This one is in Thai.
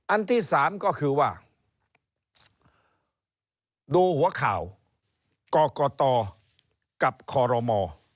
อันที่สามก็คือว่าดูหัวข่าวกรกตกับคอรมอ